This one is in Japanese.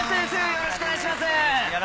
よろしくお願いします。